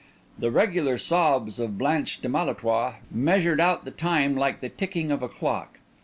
The regular sobs of Blanche de Malétroit measured out the time like the ticking of a clock.